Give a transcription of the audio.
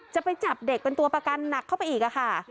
จะไปจับเด็กเป็นตัวประกันหนักเข้าไปอีกค่ะ